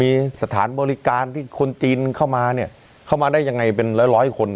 มีสถานบริการที่คนจีนเข้ามาเนี่ยเข้ามาได้ยังไงเป็นร้อยร้อยคน